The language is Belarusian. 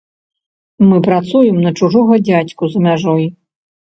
Мы працуем на чужога дзядзьку за мяжой.